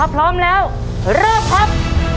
พร้อมแล้วเริ่มครับ